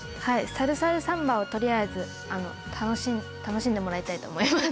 「さるさるサンバ！」をとりあえず楽しんでもらいたいと思います。